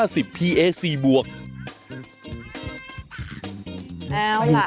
แล้วล่ะ